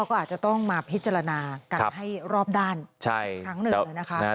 ก็อาจจะต้องมาพิจารณาการให้รอบด้านทั้งเหนือเลยนะครับ